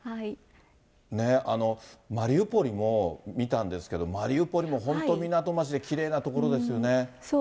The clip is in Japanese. マリウポリも見たんですけど、マリウポリも本当に港町で、きれいな所ですね。